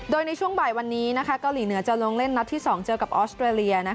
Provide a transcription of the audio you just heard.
โดยในช่วงบ่ายวันนี้เกาหลีเหนือจะลงเล่นนัดที่๒เจอกับออสเตรเลีย